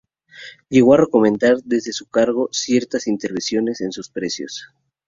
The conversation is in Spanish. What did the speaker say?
Llegó a recomendar desde su cargo, ciertas intervenciones en precios.